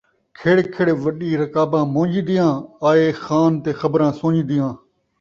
کھڑ کھڑ وݙی رکاباں من٘ڄ دیاں ، آئے خان تے خبراں سن٘ڄ دیاں